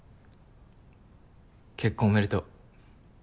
結婚おめでとう。